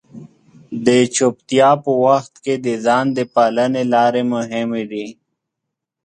د چپتیا په وخت کې د ځان د پالنې لارې مهمې دي.